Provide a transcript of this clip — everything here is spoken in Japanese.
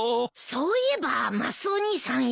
そういえばマスオ兄さん